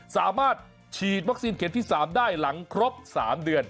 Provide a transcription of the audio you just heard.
สามารถฉีดวัคซีนเข็มที่๓ได้หลังครบ๓เดือน